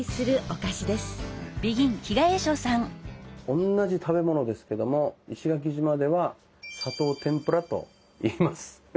おんなじ食べ物ですけども石垣島では「砂糖てんぷら」といいます。